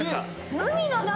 海の中？